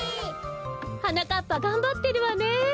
はなかっぱがんばってるわね。